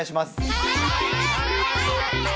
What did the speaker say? はい。